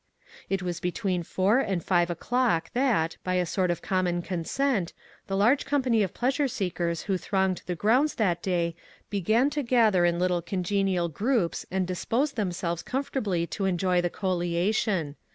It was between four and five o'clock that, by a sort of common consent, the large company of pleasure seekers who thronged THINGS HARD TO EXPLAIN. 6$ the grounds that day began to gather in little congenial groups and dispose them selves comfortably to enjoy the coliation.